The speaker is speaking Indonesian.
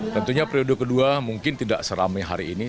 tentunya periode kedua mungkin tidak seramai hari ini